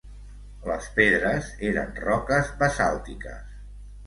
Les pedres eren roques basàltiques.